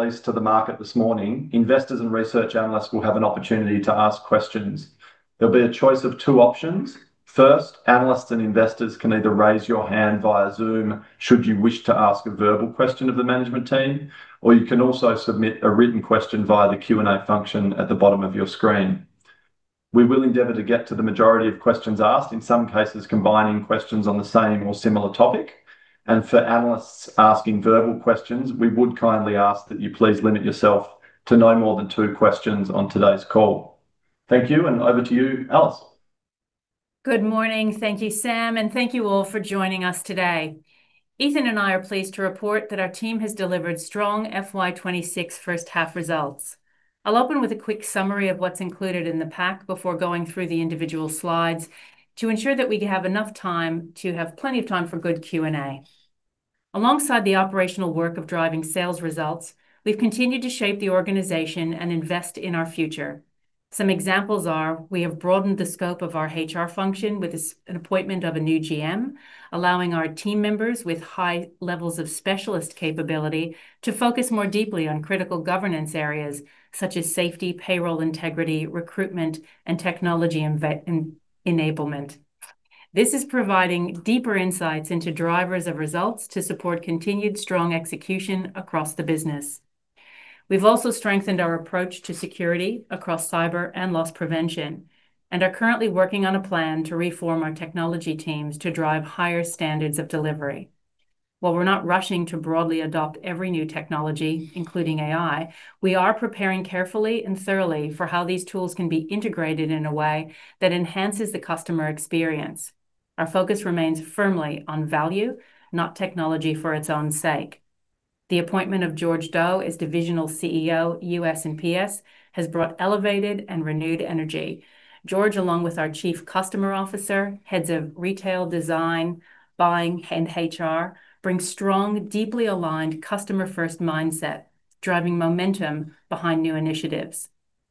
Released to the market this morning, investors and research analysts will have an opportunity to ask questions. There'll be a choice of two options. First, analysts and investors can either raise your hand via Zoom should you wish to ask a verbal question of the management team, or you can also submit a written question via the Q&A function at the bottom of your screen. We will endeavor to get to the majority of questions asked, in some cases, combining questions on the same or similar topic. For analysts asking verbal questions, we would kindly ask that you please limit yourself to no more than two questions on today's call. Thank you, and over to you, Alice. Good morning. Thank you, Sam, and thank you all for joining us today. Ethan and I are pleased to report that our team has delivered strong FY 2026 first half results. I'll open with a quick summary of what's included in the pack before going through the individual slides to ensure that we have enough time to have plenty of time for good Q&A. Alongside the operational work of driving sales results, we've continued to shape the organization and invest in our future. Some examples are: we have broadened the scope of our HR function with this, an appointment of a new GM, allowing our team members with high levels of specialist capability to focus more deeply on critical governance areas such as safety, payroll integrity, recruitment, and technology enablement. This is providing deeper insights into drivers of results to support continued strong execution across the business. We've also strengthened our approach to security across cyber and loss prevention, and are currently working on a plan to reform our technology teams to drive higher standards of delivery. While we're not rushing to broadly adopt every new technology, including AI, we are preparing carefully and thoroughly for how these tools can be integrated in a way that enhances the customer experience. Our focus remains firmly on value, not technology for its own sake. The appointment of George Do as Divisional CEO, US and PS, has brought elevated and renewed energy. George, along with our Chief Customer Officer, heads of Retail Design, Buying, and HR, brings strong, deeply aligned, customer-first mindset, driving momentum behind new initiatives.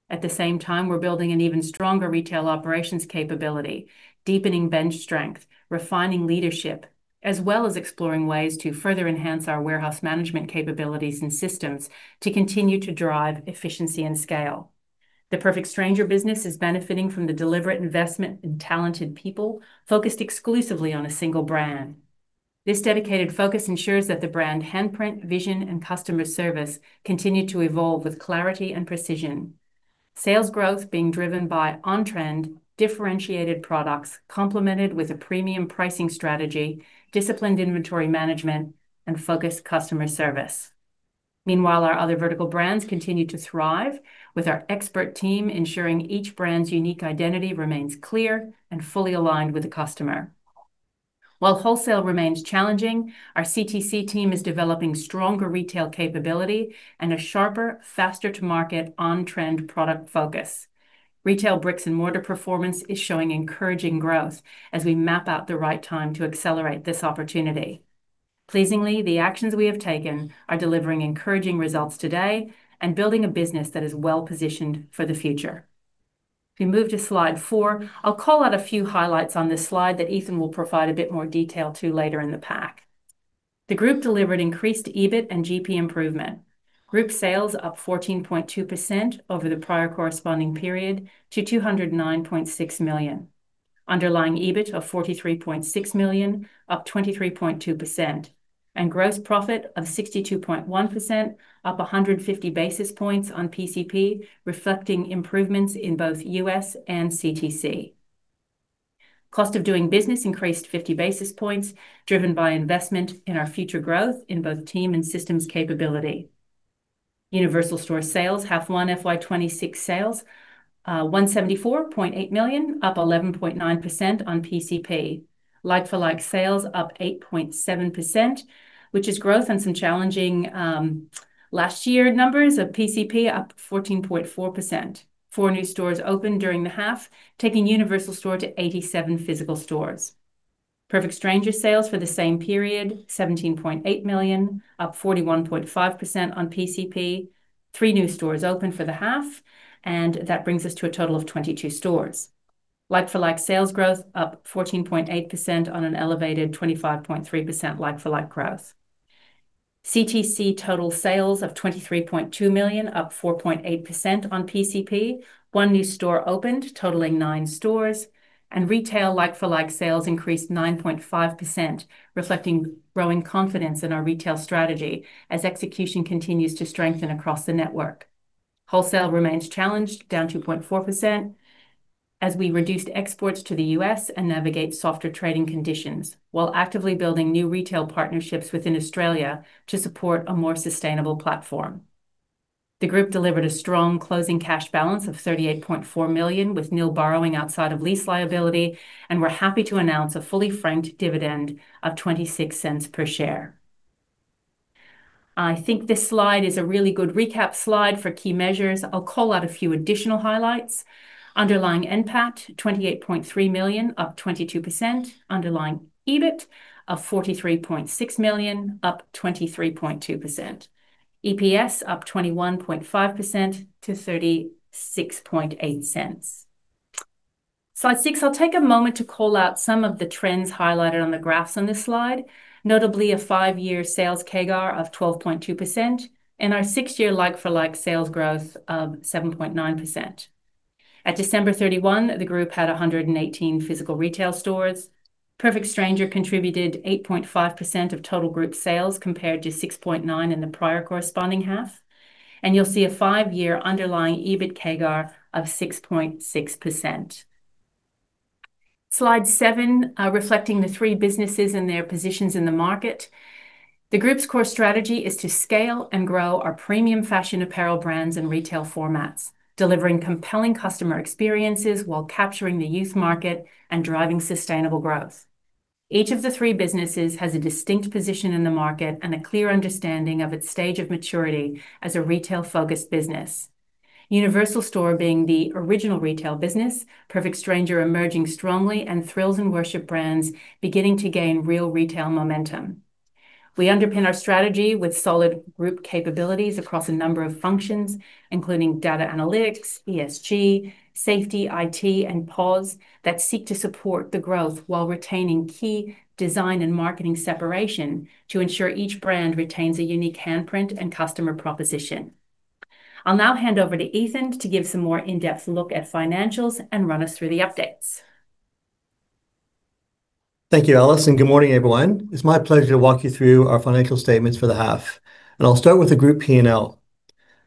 At the same time, we're building an even stronger retail operations capability, deepening bench strength, refining leadership, as well as exploring ways to further enhance our warehouse management capabilities and systems to continue to drive efficiency and scale. The Perfect Stranger business is benefiting from the deliberate investment in talented people, focused exclusively on a single brand. This dedicated focus ensures that the brand handprint, vision, and customer service continue to evolve with clarity and precision. Sales growth being driven by on-trend, differentiated products, complemented with a premium pricing strategy, disciplined inventory management, and focused customer service. Meanwhile, our other vertical brands continue to thrive, with our expert team ensuring each brand's unique identity remains clear and fully aligned with the customer. While wholesale remains challenging, our CTC team is developing stronger retail capability and a sharper, faster to market, on-trend product focus. Retail bricks and mortar performance is showing encouraging growth as we map out the right time to accelerate this opportunity. Pleasingly, the actions we have taken are delivering encouraging results today and building a business that is well-positioned for the future. If we move to Slide 4, I'll call out a few highlights on this slide that Ethan will provide a bit more detail to later in the pack. The group delivered increased EBIT and GP improvement. Group sales up 14.2% over the prior corresponding period to 209.6 million. Underlying EBIT of 43.6 million, up 23.2%, and gross profit of 62.1%, up 150 basis points on PCP, reflecting improvements in both US and CTC. Cost of doing business increased 50 basis points, driven by investment in our future growth in both team and systems capability. Universal Store sales, H1 FY26 sales, 174.8 million, up 11.9% on PCP. Like-for-like sales, up 8.7%, which is growth in some challenging last year numbers of PCP up 14.4%. Four new stores opened during the half, taking Universal Store to 87 physical stores. Perfect Stranger sales for the same period, 17.8 million, up 41.5% on PCP. Three new stores opened for the half, and that brings us to a total of 22 stores. Like-for-like sales growth, up 14.8% on an elevated 25.3% like-for-like growth. CTC total sales of 23.2 million, up 4.8% on PCP. One new store opened, totaling nine stores, and retail like-for-like sales increased 9.5%, reflecting growing confidence in our retail strategy as execution continues to strengthen across the network. Wholesale remains challenged, down 2.4%, as we reduced exports to the US and navigate softer trading conditions, while actively building new retail partnerships within Australia to support a more sustainable platform. The group delivered a strong closing cash balance of 38.4 million, with nil borrowing outside of lease liability, and we're happy to announce a fully franked dividend of 0.26 per share. I think this slide is a really good recap slide for key measures. I'll call out a few additional highlights. Underlying NPAT, 28.3 million, up 22%. Underlying EBIT of 43.6 million, up 23.2%. EPS up 21.5% to 0.368. Slide 6, I'll take a moment to call out some of the trends highlighted on the graphs on this slide. Notably, a five-year sales CAGR of 12.2%, and our six-year like-for-like sales growth of 7.9%. At December 31, the group had 118 physical retail stores. Perfect Stranger contributed 8.5% of total group sales, compared to 6.9% in the prior corresponding half, and you'll see a five-year underlying EBIT CAGR of 6.6%. Slide 7, reflecting the three businesses and their positions in the market. The group's core strategy is to scale and grow our premium fashion apparel brands and retail formats, delivering compelling customer experiences while capturing the youth market and driving sustainable growth. Each of the three businesses has a distinct position in the market and a clear understanding of its stage of maturity as a retail-focused business. Universal Store being the original retail business, Perfect Stranger emerging strongly, and Thrills and Worship brands beginning to gain real retail momentum. We underpin our strategy with solid group capabilities across a number of functions, including data analytics, ESG, safety, IT, and POS, that seek to support the growth while retaining key design and marketing separation to ensure each brand retains a unique handprint and customer proposition. I'll now hand over to Ethan to give some more in-depth look at financials and run us through the updates. Thank you, Alice, and good morning, everyone. It's my pleasure to walk you through our financial statements for the half, and I'll start with the group P&L.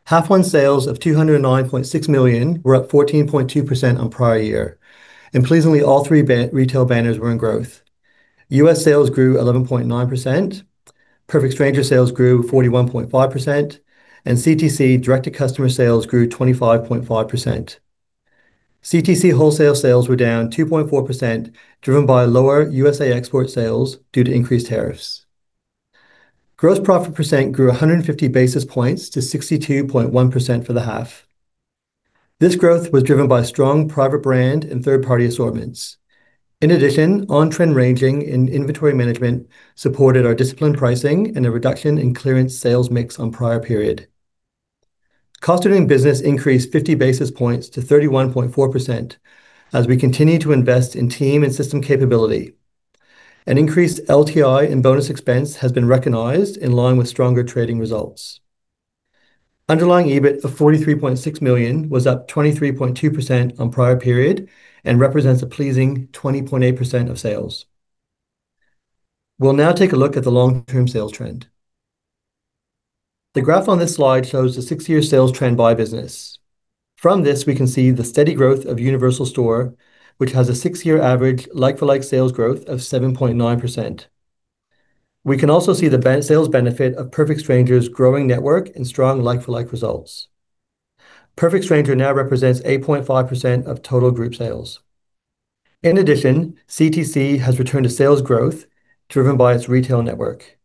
Half one sales of 209.6 million were up 14.2% on prior year. Pleasingly, all three retail banners were in growth. US sales grew 11.9%, Perfect Stranger sales grew 41.5%, and CTC, direct-to-customer sales, grew 25.5%. CTC wholesale sales were down 2.4%, driven by lower USA export sales due to increased tariffs. Gross profit % grew 150 basis points to 62.1% for the half. This growth was driven by strong private brand and third-party assortments. In addition, on-trend ranging in inventory management supported our disciplined pricing and a reduction in clearance sales mix on prior period. Cost of doing business increased 50 basis points to 31.4% as we continued to invest in team and system capability. An increased LTI and bonus expense has been recognized in line with stronger trading results. Underlying EBIT of 43.6 million was up 23.2% on prior period and represents a pleasing 20.8% of sales. We'll now take a look at the long-term sales trend. The graph on this slide shows the six-year sales trend by business. From this, we can see the steady growth of Universal Store, which has a six-year average like-for-like sales growth of 7.9%. We can also see the sales benefit of Perfect Stranger's growing network and strong like-for-like results. Perfect Stranger now represents 8.5% of total group sales. In addition, CTC has returned to sales growth, driven by its retail network.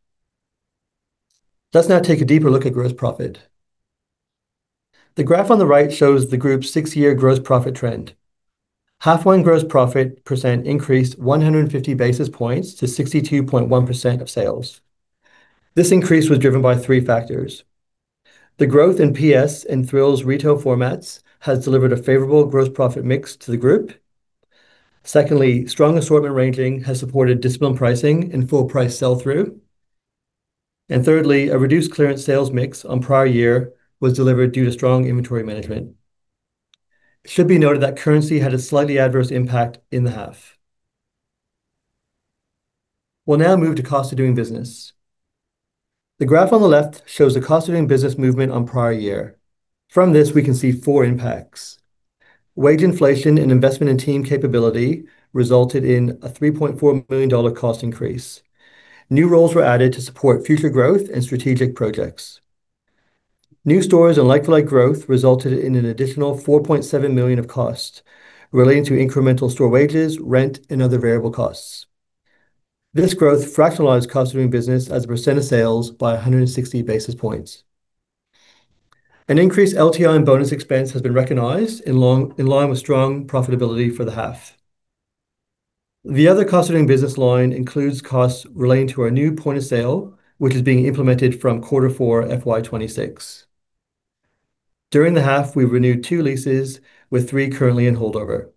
Let's now take a deeper look at gross profit. The graph on the right shows the group's six-year gross profit trend. Half one gross profit percent increased 150 basis points to 62.1% of sales. This increase was driven by three factors. The growth in PS and Thrills retail formats has delivered a favorable gross profit mix to the group. Secondly, strong assortment ranging has supported disciplined pricing and full price sell-through. Thirdly, a reduced clearance sales mix on prior year was delivered due to strong inventory management. It should be noted that currency had a slightly adverse impact in the half. We'll now move to cost of doing business. The graph on the left shows the cost of doing business movement on prior year. From this, we can see four impacts. Wage inflation and investment in team capability resulted in a 3.4 million dollar cost increase. New roles were added to support future growth and strategic projects. New stores and like-for-like growth resulted in an additional 4.7 million of costs relating to incremental store wages, rent, and other variable costs. This growth fractionalized cost of doing business as a percent of sales by 160 basis points. An increased LTI and bonus expense has been recognized in line with strong profitability for the half. The other cost of doing business line includes costs relating to our new point of sale, which is being implemented from quarter four, FY 2026. During the half, we've renewed two leases, with three currently in holdover.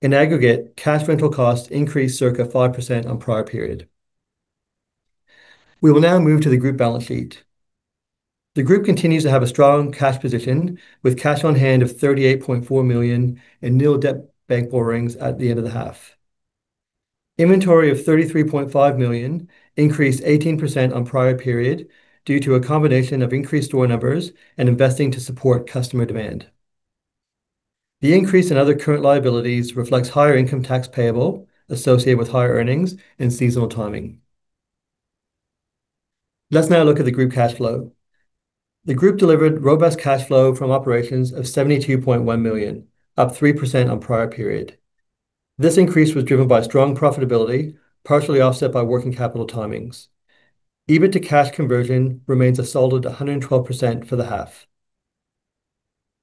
In aggregate, cash rental costs increased circa 5% on prior period. We will now move to the group balance sheet. The group continues to have a strong cash position, with cash on hand of 38.4 million and nil debt bank borrowings at the end of the half. Inventory of 33.5 million increased 18% on prior period due to a combination of increased store numbers and investing to support customer demand. The increase in other current liabilities reflects higher income tax payable associated with higher earnings and seasonal timing. Let's now look at the group cash flow. The group delivered robust cash flow from operations of 72.1 million, up 3% on prior period. This increase was driven by strong profitability, partially offset by working capital timings. EBIT to cash conversion remains a solid 112% for the half.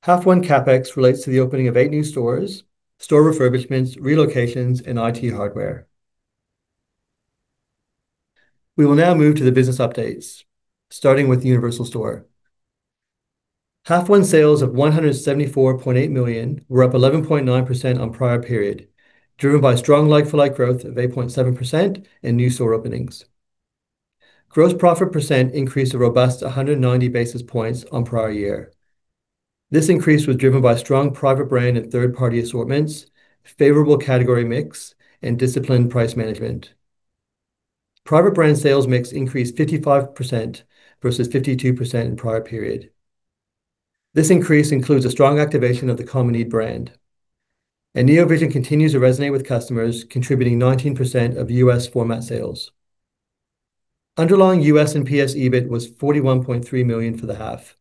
Half one CapEx relates to the opening of eight new stores, store refurbishments, relocations, and IT hardware. We will now move to the business updates, starting with Universal Store. Half one sales of 174.8 million were up 11.9% on prior period, driven by strong like-for-like growth of 8.7% and new store openings. Gross profit percent increased a robust 190 basis points on prior year. This increase was driven by strong private brand and third-party assortments, favorable category mix, and disciplined price management. Private brand sales mix increased 55%, versus 52% in prior period. This increase includes a strong activation of the Common Need brand, and Neovision continues to resonate with customers, contributing 19% of Universal Store format sales. Underlying US and PS EBIT was 41.3 million for the half,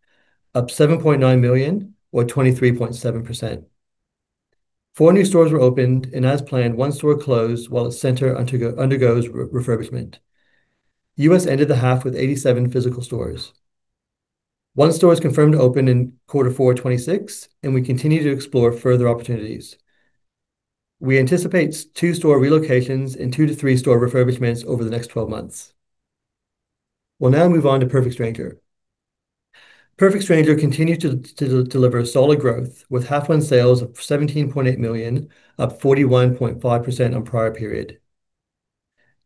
up 7.9 million, or 23.7%. four new stores were opened, and as planned, one store closed while its center undergoes refurbishment. US ended the half with 87 physical stores. One store is confirmed to open in quarter four 2026, and we continue to explore further opportunities. We anticipate two store relocations and two to three store refurbishments over the next 12 months. We'll now move on to Perfect Stranger. Perfect Stranger continued to deliver solid growth, with half-year sales of 17.8 million, up 41.5% on prior period.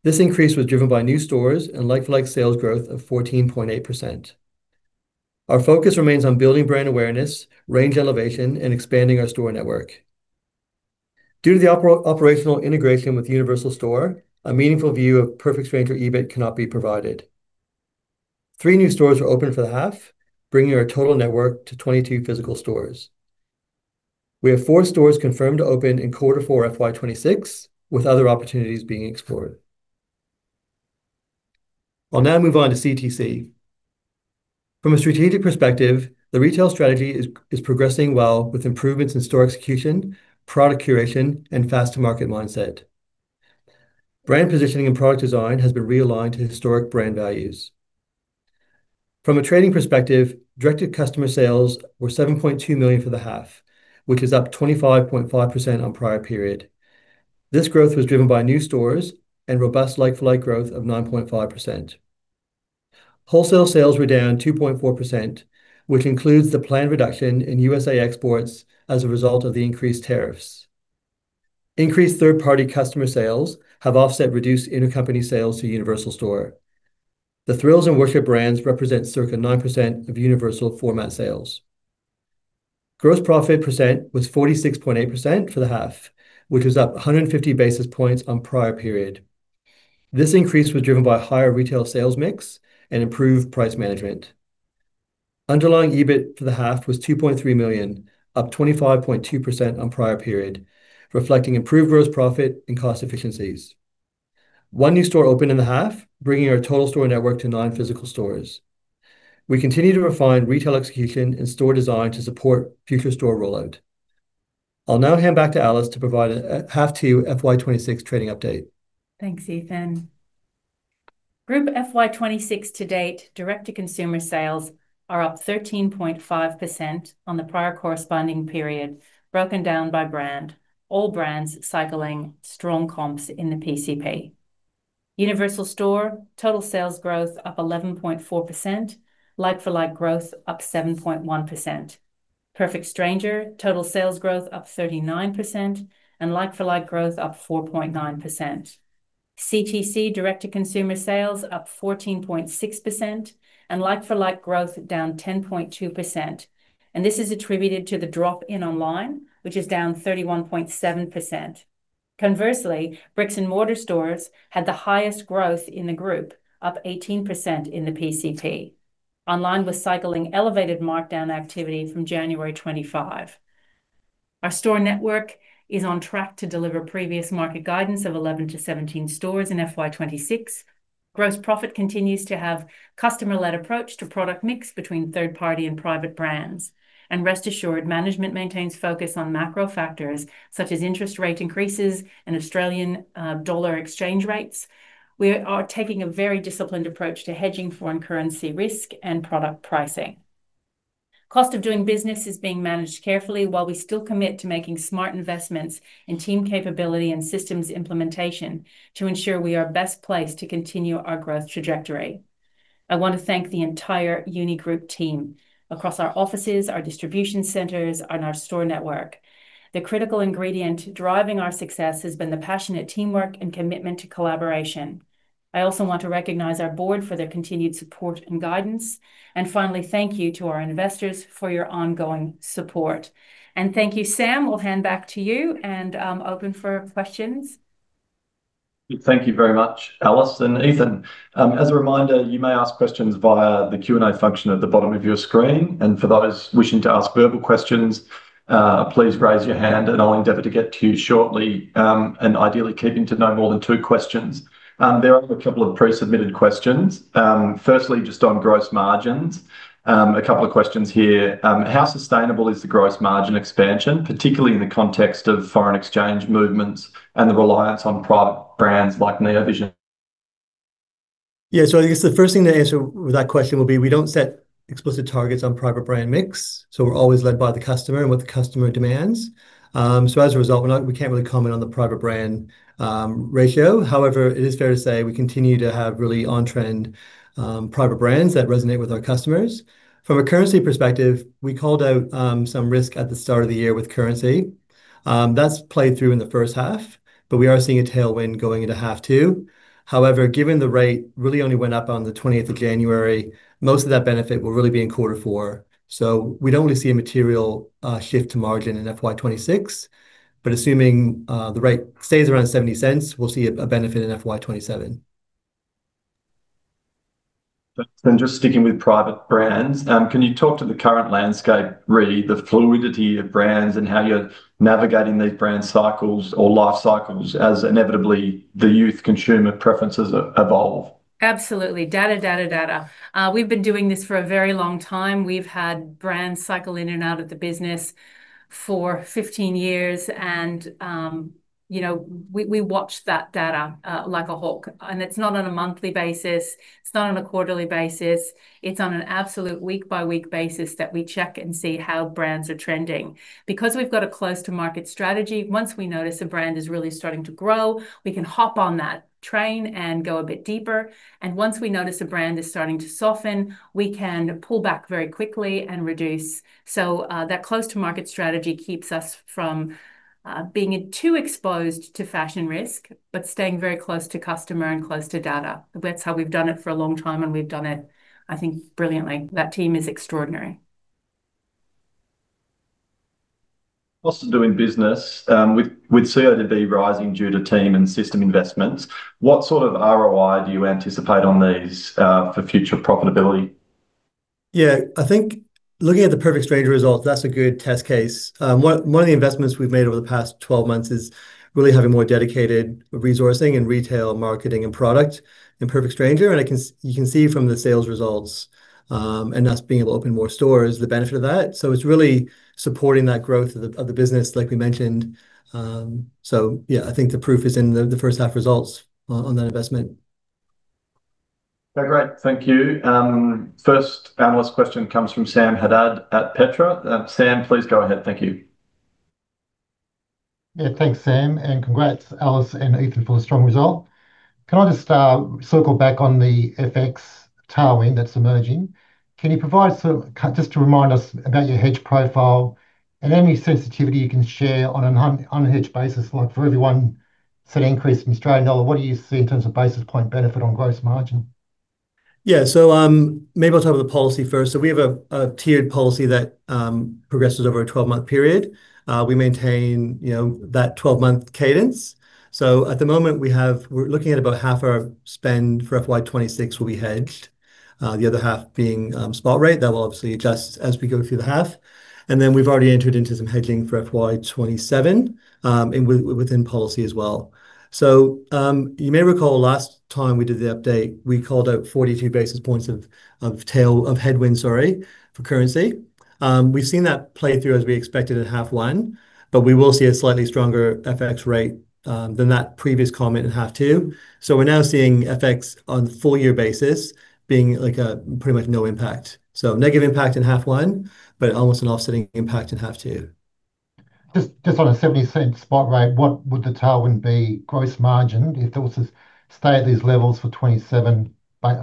This increase was driven by new stores and like-for-like sales growth of 14.8%. Our focus remains on building brand awareness, range elevation, and expanding our store network. Due to the operational integration with Universal Store, a meaningful view of Perfect Stranger EBIT cannot be provided. Three new stores were opened for the half, bringing our total network to 22 physical stores. We have four stores confirmed to open in quarter four FY 2026, with other opportunities being explored. I'll now move on to CTC. From a strategic perspective, the retail strategy is progressing well with improvements in store execution, product curation, and fast-to-market mindset. Brand positioning and product design has been realigned to the historic brand values. From a trading perspective, directed customer sales were 7.2 million for the half, which is up 25.5% on prior period. This growth was driven by new stores and robust like-for-like growth of 9.5%. Wholesale sales were down 2.4%, which includes the planned reduction in USA exports as a result of the increased tariffs. Increased third-party customer sales have offset reduced intercompany sales to Universal Store. The Thrills and Worship brands represent circa 9% of Universal format sales. Gross profit percent was 46.8% for the half, which was up 150 basis points on prior period. This increase was driven by higher retail sales mix and improved price management. Underlying EBIT for the half was 2.3 million, up 25.2% on prior period, reflecting improved gross profit and cost efficiencies. One new store opened in the half, bringing our total store network to 9 physical stores. We continue to refine retail execution and store design to support future store rollout. I'll now hand back to Alice to provide a half two FY 2026 trading update. Thanks, Ethan. Group FY 2026 to date, direct-to-consumer sales are up 13.5% on the prior corresponding period, broken down by brand, all brands cycling strong comps in the PCP. Universal Store, total sales growth up 11.4%, like-for-like growth up 7.1%. Perfect Stranger, total sales growth up 39%, and like-for-like growth up 4.9%. CTC direct-to-consumer sales up 14.6%, and like-for-like growth down 10.2%, and this is attributed to the drop in online, which is down 31.7%. Conversely, bricks and mortar stores had the highest growth in the group, up 18% in the PCP. Online was cycling elevated markdown activity from January 2025. Our store network is on track to deliver previous market guidance of 11-17 stores in FY 2026. Gross profit continues to have customer-led approach to product mix between third party and private brands. Rest assured, management maintains focus on macro factors such as interest rate increases and Australian dollar exchange rates. We are taking a very disciplined approach to hedging foreign currency risk and product pricing. Cost of doing business is being managed carefully, while we still commit to making smart investments in team capability and systems implementation to ensure we are best placed to continue our growth trajectory. I want to thank the entire Uni Group team across our offices, our distribution centers, and our store network. The critical ingredient driving our success has been the passionate teamwork and commitment to collaboration. I also want to recognize our board for their continued support and guidance. Finally, thank you to our investors for your ongoing support. Thank you, Sam.We'll hand back to you and open for questions. Thank you very much, Alice and Ethan. As a reminder, you may ask questions via the Q&A function at the bottom of your screen. For those wishing to ask verbal questions, please raise your hand, and I'll endeavor to get to you shortly, ideally keeping to no more than two questions. There are a couple of pre-submitted questions. Firstly, just on gross margins, a couple of questions here. How sustainable is the gross margin expansion, particularly in the context of foreign exchange movements and the reliance on private brands like Neovision? Yeah. I guess the first thing to answer that question will be, we don't set explicit targets on private brand mix, so we're always led by the customer and what the customer demands. As a result, we're not—we can't really comment on the private brand ratio. However, it is fair to say we continue to have really on-trend private brands that resonate with our customers. From a currency perspective, we called out some risk at the start of the year with currency. That's played through in the first half, but we are seeing a tailwind going into half two. However, given the rate really only went up on the 20th of January, most of that benefit will really be in quarter four. So we'd only see a material shift to margin in FY 2026, but assuming the rate stays around 0.70, we'll see a benefit in FY 2027. Just sticking with private brands, can you talk to the current landscape, really, the fluidity of brands and how you're navigating these brand cycles or life cycles, as inevitably the youth consumer preferences evolve? Absolutely. Data, data, data. We've been doing this for a very long time. We've had brands cycle in and out of the business for 15 years, and, you know, we watch that data like a hawk. And it's not on a monthly basis, it's not on a quarterly basis, it's on an absolute week-by-week basis that we check and see how brands are trending. Because we've got a close-to-market strategy, once we notice a brand is really starting to grow, we can hop on that train and go a bit deeper, and once we notice a brand is starting to soften, we can pull back very quickly and reduce. So, that close-to-market strategy keeps us from being too exposed to fashion risk, but staying very close to customer and close to data. That's how we've done it for a long time, and we've done it, I think, brilliantly. That team is extraordinary. Also, doing business with CODB rising due to team and system investments, what sort of ROI do you anticipate on these for future profitability? Yeah. I think looking at the Perfect Stranger results, that's a good test case. One of the investments we've made over the past 12 months is really having more dedicated resourcing in retail, marketing, and product in Perfect Stranger, and I can see from the sales results, and us being able to open more stores, the benefit of that. It's really supporting that growth of the business, like we mentioned. Yeah, I think the proof is in the first half results on that investment. Okay, great. Thank you. First analyst question comes from Sam Haddad at Petra. Sam, please go ahead. Thank you. Yeah, thanks, Sam, and congrats, Alice and Ethan, for a strong result. Can I just circle back on the FX tailwind that's emerging? Can you provide sort of... just to remind us about your hedge profile and any sensitivity you can share on an unhedged basis, like for every 0.01 increase in Australian dollar, what do you see in terms of basis point benefit on gross margin? Yeah, maybe I'll talk about the policy first. We have a tiered policy that progresses over a 12-month period. We maintain, you know, that 12-month cadence. At the moment, we're looking at about half our spend for FY 2026 will be hedged, the other half being spot rate. That will obviously adjust as we go through the half. We've already entered into some hedging for FY 2027, within policy as well. You may recall last time we did the update, we called out 42 basis points of headwind, sorry, for currency. We've seen that play through, as we expected, in half one, but we will see a slightly stronger FX rate than that previous comment in half two. So, we're now seeing FX on a full-year basis being, like, a pretty much no impact. So, negative impact in half one, but almost an offsetting impact in half two. Just, just on a 0.70 spot rate, what would the tailwind be gross margin if it was to stay at these levels for 2027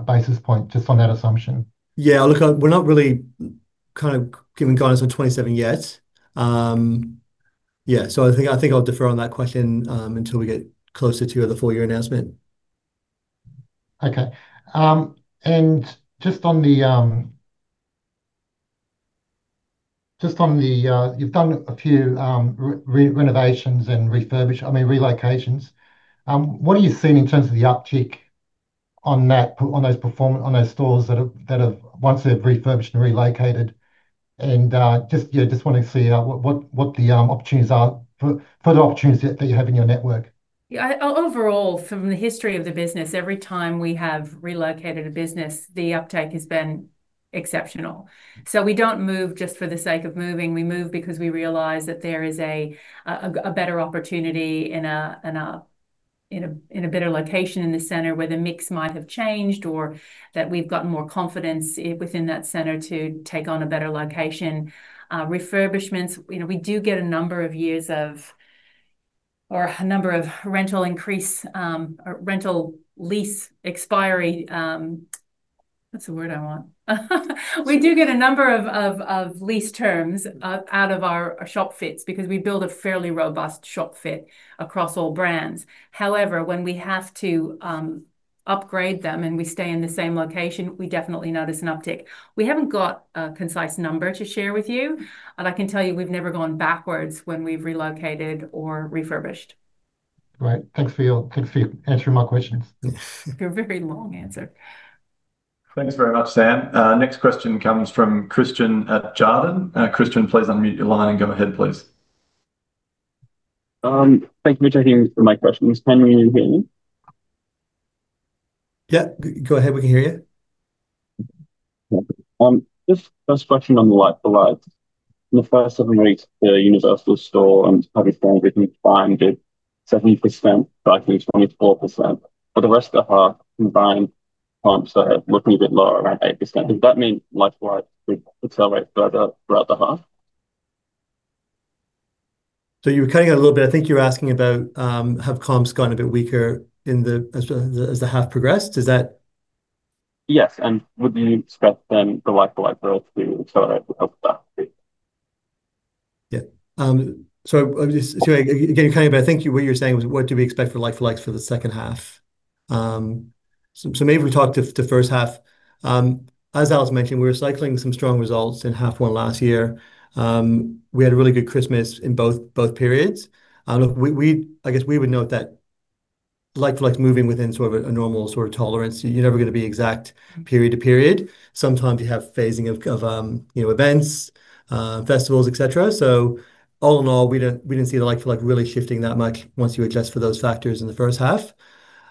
basis point, just on that assumption? Yeah, look, we're not really kind of giving guidance on 2027 yet. Yeah, so I think, I think I'll defer on that question, until we get closer to the full-year announcement. Okay. And just on the, just on the, you've done a few, re- re- renovations and refurbish- I mean, relocations. What are you seeing in terms of the uptick on that, on those perform- on those stores that have, that have, once they've refurbished and relocated? And, just, yeah, just want to see, what, what the, opportunities are for, for the opportunities that, that you have in your network. Yeah, overall, from the history of the business, every time we have relocated a business, the uptake has been exceptional. So we don't move just for the sake of moving, we move because we realize that there is a better opportunity in a better location in the center where the mix might have changed, or that we've got more confidence within that center to take on a better location. Refurbishments, you know, we do get a number of years of, or a number of rental increase, or rental lease expiry. We do get a number of lease terms out of our shop fits because we build a fairly robust shop fit across all brands. However, when we have to, upgrade them and we stay in the same location, we definitely notice an uptick. We haven't got a concise number to share with you, but I can tell you we've never gone backwards when we've relocated or refurbished. Great. Thanks for your, thanks for answering my questions. Your very long answer. Thanks very much, Sam. Next question comes from Christian at Jarden. Christian, please unmute your line and go ahead, please. Thank you for taking my questions. Can you hear me? Yeah, go ahead. We can hear you. Just first question on the like, the likes. In the first seven weeks, the Universal Store and Perfect Stranger combined did 70%, but I think 24%. For the rest of the half, combined comps are looking a bit lower, around 8%. Does that mean like-for-like would accelerate further throughout the half? So you were cutting out a little bit. I think you're asking about, have comps gone a bit weaker in the, as the half progressed? Is that— Yes, and would we expect then the Like-for-Like growth to accelerate as well? Yeah. I'm just-- I think what you're saying is what do we expect for like-for-likes for the second half? Maybe if we talk to the first half. As Alice mentioned, we were cycling some strong results in half one last year. We had a really good Christmas in both periods. Look, I guess we would note that like-for-likes are moving within sort of a normal sort of tolerance. You're never going to be exact period to period. Sometimes you have phasing of events, festivals, et cetera. All in all, we didn't see the like-for-like really shifting that much once you adjust for those factors in the first half.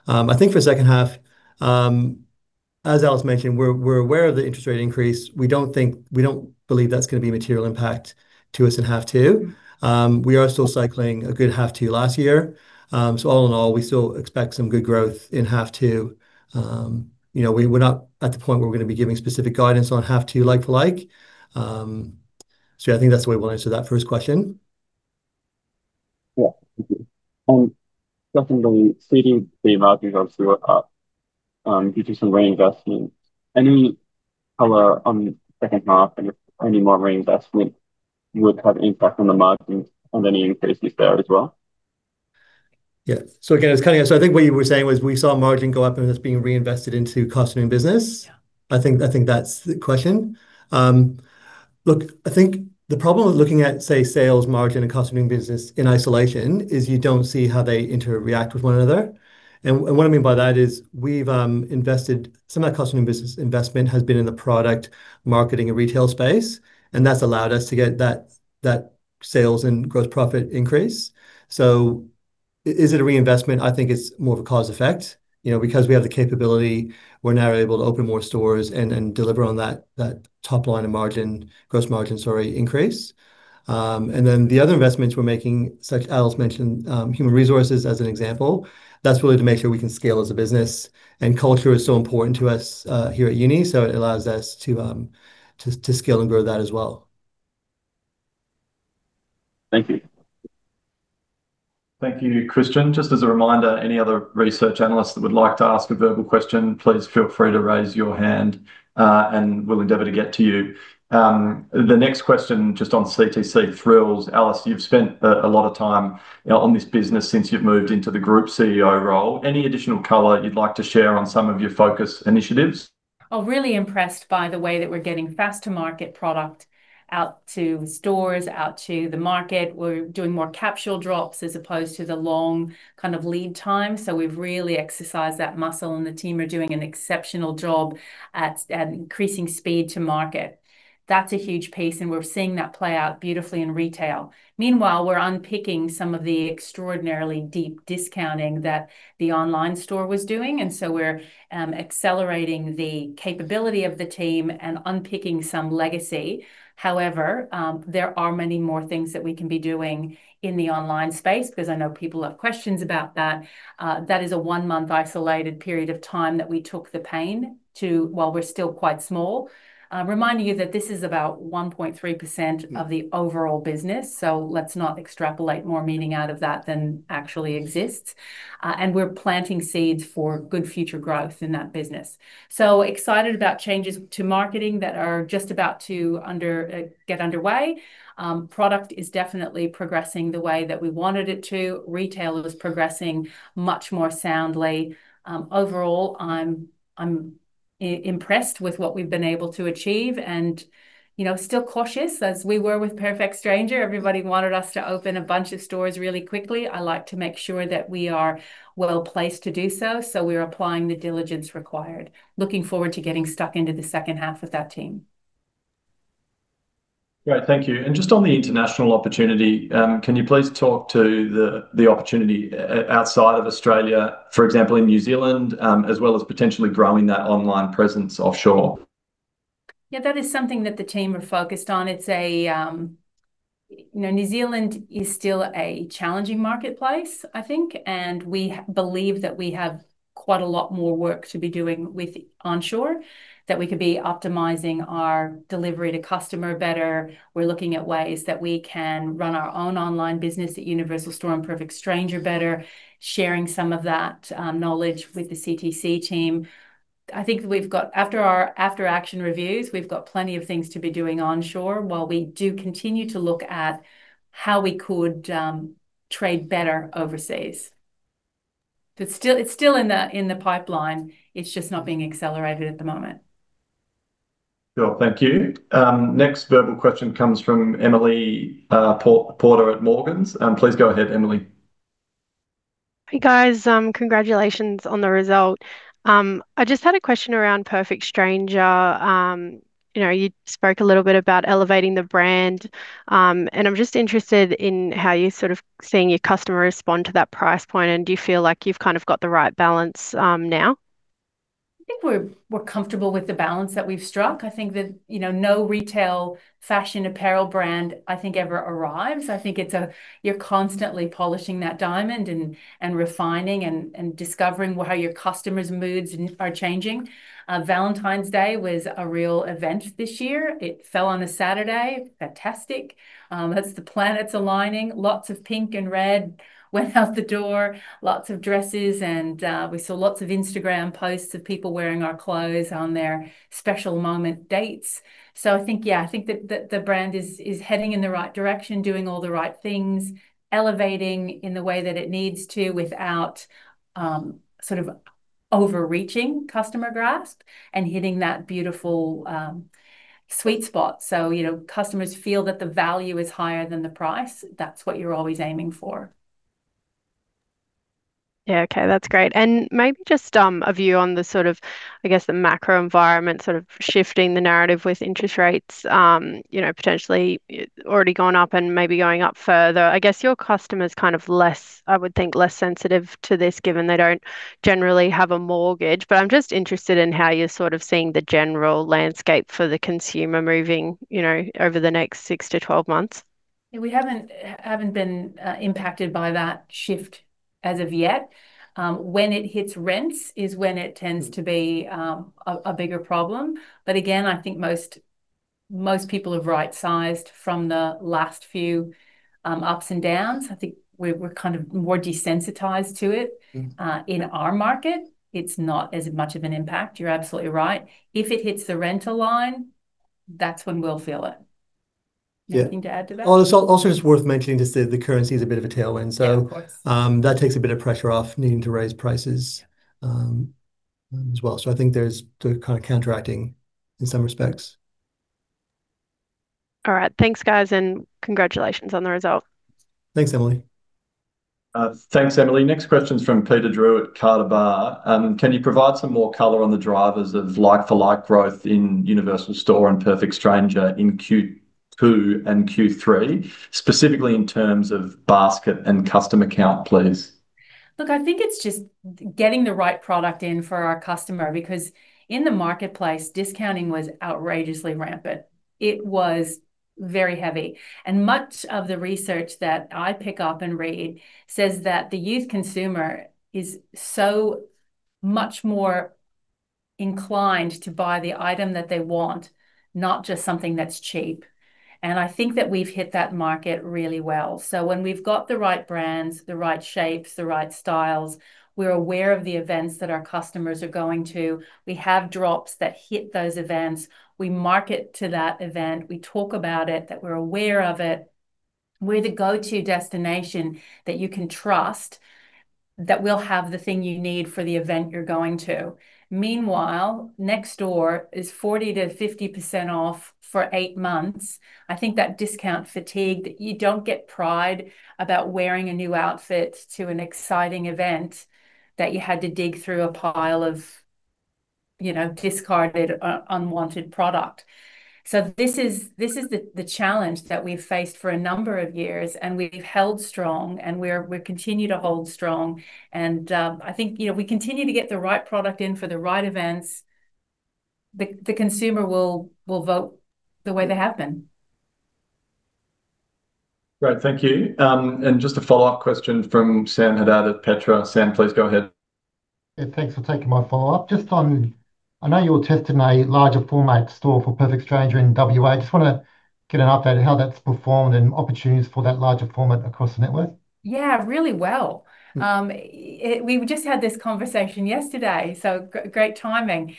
I think for the second half, as Alice mentioned, we're aware of the interest rate increase. We don't believe that's gonna be a material impact to us in half two. We are still cycling a good half two last year. So all in all, we still expect some good growth in half two. You know, we're not at the point where we're gonna be giving specific guidance on half two like-for-like. So I think that's the way we'll answer that first question. Yeah. Thank you. And definitely seeing the margin go through up due to some reinvestment. Any color on the second half, and if any more reinvestment would have impact on the margin and any increases there as well? Yeah. So again, just cutting out. So I think what you were saying was, we saw margin go up, and it's being reinvested into custom and business. I think that's the question. Look, I think the problem with looking at, say, sales margin and cost of doing business in isolation, is you don't see how they interact with one another. And what I mean by that is, we've invested—some of that cost of doing business investment has been in the product, marketing, and retail space, and that's allowed us to get that sales and gross profit increase. So is it a reinvestment? I think it's more of a cause and effect. You know, because we have the capability, we're now able to open more stores and deliver on that top line of gross margin increase. The other investments we're making, such as Alice mentioned, human resources as an example, that's really to make sure we can scale as a business, and culture is so important to us here at Uni. It allows us to scale and grow that as well. Thank you. Thank you, Christian. Just as a reminder, any other research analyst that would like to ask a verbal question, please feel free to raise your hand, and we'll endeavor to get to you. The next question, just on CTC Thrills. Alice, you've spent a lot of time out on this business since you've moved into the group CEO role. Any additional color you'd like to share on some of your focus initiatives? I'm really impressed by the way that we're getting fast-to-market product out to stores, out to the market. We're doing more capsule drops, as opposed to the long kind of lead time. So we've really exercised that muscle, and the team are doing an exceptional job at increasing speed to market. That's a huge piece, and we're seeing that play out beautifully in retail. Meanwhile, we're unpicking some of the extraordinarily deep discounting that the online store was doing, and so we're accelerating the capability of the team and unpicking some legacy. However, there are many more things that we can be doing in the online space, 'cause I know people have questions about that. That is a one-month isolated period of time that we took the pain to— While we're still quite small, reminding you that this is about 1.3% of the overall business, let's not extrapolate more meaning out of that than actually exists. We're planting seeds for good future growth in that business. Excited about changes to marketing that are just about to get underway. Product is definitely progressing the way that we wanted it to. Retail is progressing much more soundly. Overall, I'm impressed with what we've been able to achieve and, you know, still cautious, as we were with Perfect Stranger. Everybody wanted us to open a bunch of stores really quickly. I like to make sure that we are well-placed to do so, so we're applying the diligence required. Looking forward to getting stuck into the second half with that team. Great. Thank you. And just on the international opportunity, can you please talk to the opportunity outside of Australia, for example, in New Zealand, as well as potentially growing that online presence offshore? Yeah, that is something that the team are focused on. It's a, you know, New Zealand is still a challenging marketplace, I think, and we believe that we have quite a lot more work to be doing with onshore, that we could be optimizing our delivery to customer better. We're looking at ways that we can run our own online business at Universal Store and Perfect Stranger better, sharing some of that knowledge with the CTC team. I think we've got-- after our after-action reviews, we've got plenty of things to be doing onshore, while we do continue to look at how we could, you know, trade better overseas. It's still in the pipeline, it's just not being accelerated at the moment. Sure. Thank you. Next verbal question comes from Emily Porter at Morgans. Please go ahead, Emily. Hey, guys, congratulations on the result. I just had a question around Perfect Stranger. You know, you spoke a little bit about elevating the brand, and I'm just interested in how you're sort of seeing your customer respond to that price point, and do you feel like you've kind of got the right balance, now? I think we're comfortable with the balance that we've struck. I think that, you know, no retail fashion apparel brand, I think, ever arrives. I think it's you're constantly polishing that diamond and refining and discovering how your customers' moods are changing. Valentine's Day was a real event this year. It fell on a Saturday, fantastic. That's the planets aligning. Lots of pink and red went out the door, lots of dresses, and we saw lots of Instagram posts of people wearing our clothes on their special moment dates. So I think, yeah, I think that the brand is heading in the right direction, doing all the right things, elevating in the way that it needs to, without sort of overreaching customer grasp and hitting that beautiful sweet spot. You know, customers feel that the value is higher than the price. That's what you're always aiming for. Yeah, okay. That's great. And maybe just, a view on the sort of, I guess, the macro environment, sort of shifting the narrative with interest rates, you know, potentially already gone up and maybe going up further. I guess your customer's kind of less, I would think, less sensitive to this, given they don't generally have a mortgage. But I'm just interested in how you're sort of seeing the general landscape for the consumer moving, you know, over the next six to 12 months. Yeah, we haven't been impacted by that shift as of yet. When it hits rents is when it tends to be a bigger problem. But again, I think most people have right-sized from the last few ups and downs. I think we're kind of more desensitized to it. In our market, it's not as much of an impact. You're absolutely right. If it hits the rental line, that's when we'll feel it. Yeah. Anything to add to that? Well, also, it's worth mentioning just the currency is a bit of a tailwind, so that takes a bit of pressure off needing to raise prices, as well. So I think there's the kind of counteracting in some respects. All right. Thanks, guys, and congratulations on the result. Thanks, Emily. Thanks, Emily. Next question's from Peter Drew at Carter Bar. "Can you provide some more color on the drivers of like-for-like growth in Universal Store and Perfect Stranger in Q2 and Q3, specifically in terms of basket and customer count, please? Look, I think it's just getting the right product in for our customer because in the marketplace, discounting was outrageously rampant. It was very heavy. And much of the research that I pick up and read says that the youth consumer is so much more inclined to buy the item that they want, not just something that's cheap, and I think that we've hit that market really well. So when we've got the right brands, the right shapes, the right styles, we're aware of the events that our customers are going to. We have drops that hit those events. We market to that event. We talk about it, that we're aware of it. We're the go-to destination that you can trust, that we'll have the thing you need for the event you're going to. Meanwhile, next door is 40%-50% off for eight months. I think that discount fatigue, you don't get pride about wearing a new outfit to an exciting event that you had to dig through a pile of, you know, discarded, unwanted product. So this is the challenge that we've faced for a number of years, and we've held strong, and we continue to hold strong. I think, you know, we continue to get the right product in for the right events, the consumer will vote the way they have been. Great, thank you. And just a follow-up question from Sam Haddad at Petra. Sam, please go ahead. Yeah, thanks for taking my follow-up. Just on... I know you're testing a larger format store for Perfect Stranger in WA. I just want to get an update on how that's performed and opportunities for that larger format across the network. Yeah, really well. We just had this conversation yesterday, great timing.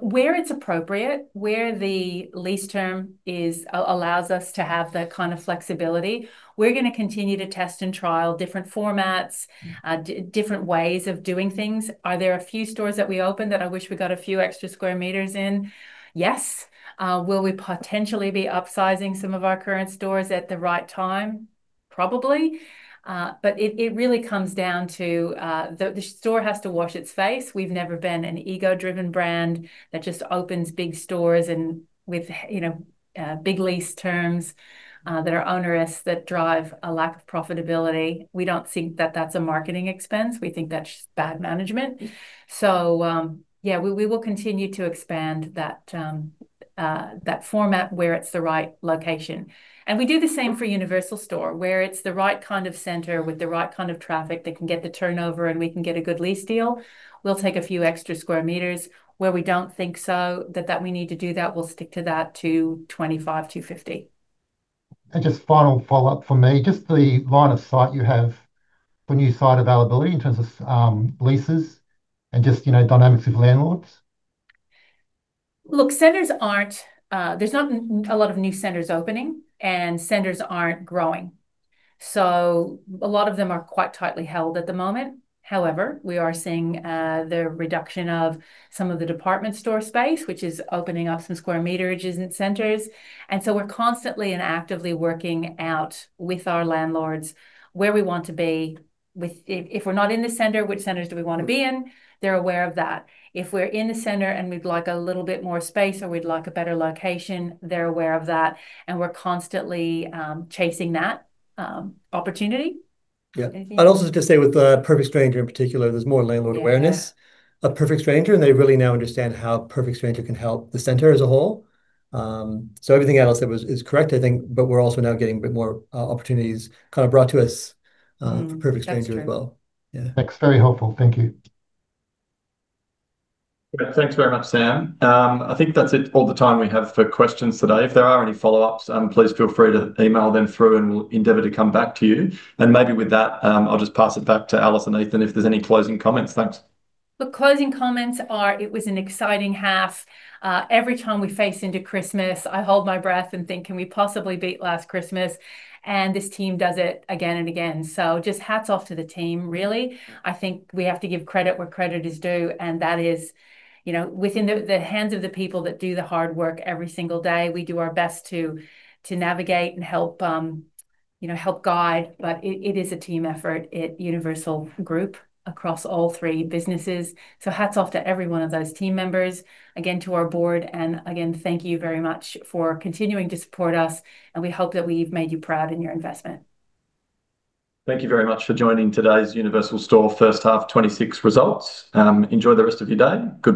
Where it's appropriate, where the lease term is, allows us to have the kind of flexibility, we're going to continue to test and trial different formats, different ways of doing things. Are there a few stores that we opened that I wish we got a few extra square meters in? Yes. Will we potentially be upsizing some of our current stores at the right time? Probably. But it really comes down to, the store has to wash its face. We've never been an ego-driven brand that just opens big stores and with big lease terms that are onerous, that drive a lack of profitability. We don't think that that's a marketing expense. We think that's just bad management. So, yeah, we will continue to expand that format where it's the right location. We do the same for Universal Store, where it's the right kind of center with the right kind of traffic that can get the turnover, and we can get a good lease deal, we'll take a few extra square meters. Where we don't think so, we need to do that, we'll stick to that to 250 sqm. Just final follow-up for me, just the line of sight you have for new site availability in terms of leases and just, you know, dynamics with landlords? Look, centers aren't. There's not a lot of new centers opening, and centers aren't growing. So a lot of them are quite tightly held at the moment. However, we are seeing the reduction of some of the department store space, which is opening up some square meterages in centers. And so we're constantly and actively working out with our landlords where we want to be. If we're not in the center, which centers do we want to be in? They're aware of that. If we're in the center and we'd like a little bit more space or we'd like a better location, they're aware of that, and we're constantly chasing that opportunity. Yeah. Anything- I'd also just say with, Perfect Stranger in particular, there's more landlord awareness of Perfect Stranger, and they really now understand how Perfect Stranger can help the center as a whole. So everything Alice said was, is correct, I think, but we're also now getting a bit more opportunities kind of brought to us for Perfect Stranger as well. That's true. Yeah. Thanks. Very helpful. Thank you. Great. Thanks very much, Sam. I think that's it, all the time we have for questions today. If there are any follow-ups, please feel free to email them through, and we'll endeavor to come back to you. And maybe with that, I'll just pass it back to Alice and Ethan if there's any closing comments. Thanks. Look, closing comments are, it was an exciting half. Every time we face into Christmas, I hold my breath and think, "Can we possibly beat last Christmas?" And this team does it again and again. So just hats off to the team, really. I think we have to give credit where credit is due, and that is, you know, within the hands of the people that do the hard work every single day. We do our best to navigate and help, you know, help guide, but it is a team effort at Universal Store across all three businesses. So hats off to every one of those team members, again, to our board. And again, thank you very much for continuing to support us, and we hope that we've made you proud in your investment. Thank you very much for joining today's Universal Store first half 2026 results. Enjoy the rest of your day. Goodbye.